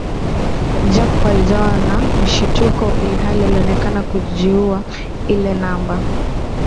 Jacob alijawa na mshituko ilihali alionekana kuijua ile namba